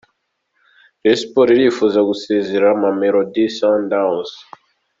Rayon Sports irifuza gusezerera Mamelodi Sundowns.